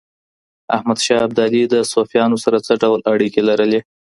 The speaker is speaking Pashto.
احمد شاه ابدالي د صوفیانو سره څه ډول اړیکي لرلې؟